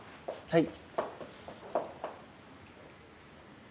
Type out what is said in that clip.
はい。